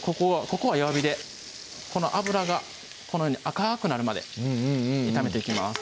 ここは弱火でこの油がこのように赤くなるまで炒めていきます